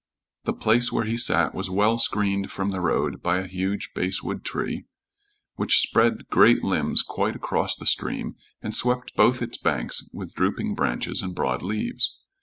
The place where he sat was well screened from the road by a huge basswood tree, which spread great limbs quite across the stream, and swept both its banks with drooping branches and broad leaves.